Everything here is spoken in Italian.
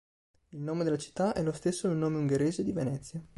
Il nome della città è lo stesso del nome ungherese di Venezia.